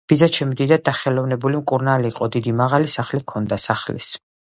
ბიძაჩემი დიდად დახელოვნებული მკურნალი იყო. დიდი, მაღალი სახლი ჰქონდა. სახლის